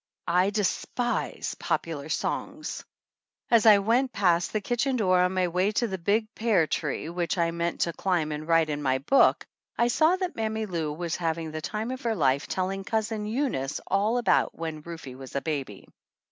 I despise popular songs ! As I went past the kitchen door on my way to the big pear tree which I meant to climb and write in my book I saw that Mammy Lou was having the time of her life telling Cousin Eunice all about when Rufe was a baby.